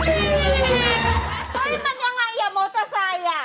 เฮ้ยมันยังไงอ่ะมอเตอร์ไซค์อ่ะ